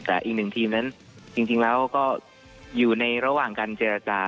แต่อีกหนึ่งทีมนั้นจริงแล้วก็อยู่ในระหว่างการเจรจา